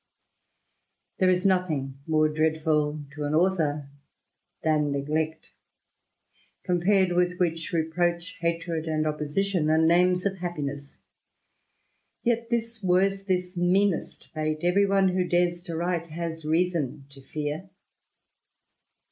There is nothing more dreadful to an author than lieglect; compared with which, reproach, hatred, anS opposition, are names of happiness; yet this wors^ this meanest fate, every one who dares to write has reason to fear.